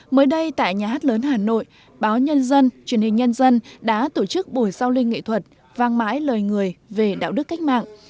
mới đây tại nhà hát lớn hà nội báo nhân dân truyền hình nhân dân đã tổ chức buổi giao linh nghệ thuật vang mãi lời người về đạo đức cách mạng